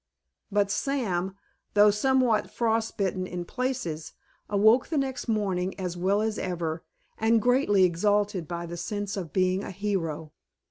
But Sam, though somewhat frost bitten in places, awoke the next morning as well as ever, and greatly exalted by the sense of being a hero.